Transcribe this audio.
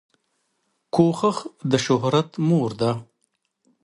کوښښ دشهرت مور ده